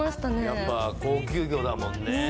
やっぱ高級魚だもんね